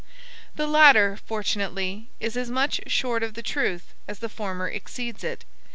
The latter, fortunately, is as much short of the truth as the former exceeds it.